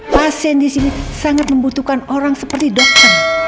pasien disini sangat membutuhkan orang seperti dokter